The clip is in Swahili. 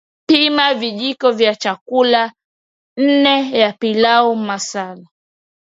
Pima vijiko vya chakula nne vya pilau masala